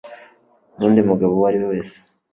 n'undi mugabo uwo ari we wese